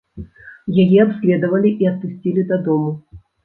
Яе абследавалі і адпусцілі дадому.